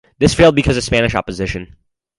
This failed because of Spanish opposition.